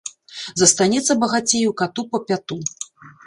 Застанецца багацеяў кату па пяту.